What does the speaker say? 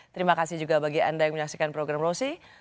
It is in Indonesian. terima kasih juga bagi anda yang menyaksikan program rosi